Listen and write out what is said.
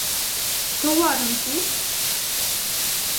Товарым пу!